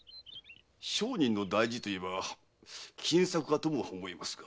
商人の大事といえば金策かとも思いますが。